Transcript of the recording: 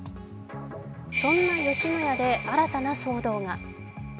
そんな吉野家で新たな騒動が。